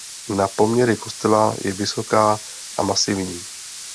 Na poměry kostela je vysoká a masivní.